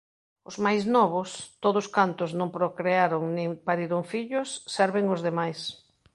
Os máis novos, todos cantos non procrearon nin pariron fillos, serven os demais.